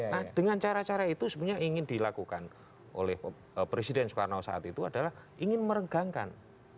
nah dengan cara cara itu sebenarnya ingin dilakukan oleh presiden soekarno saat itu adalah ingin meregangkan